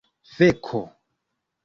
feko